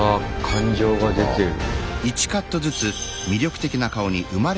感情が出てる。